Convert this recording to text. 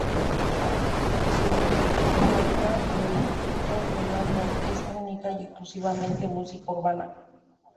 Según el propio Arcángel todo el álbum es única y exclusivamente música urbana.